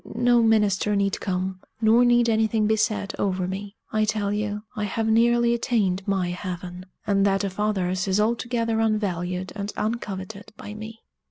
No minister need come; nor need anything be said over me. I tell you, I have nearly attained my heaven; and that of others is altogether unvalued and uncoveted by me!"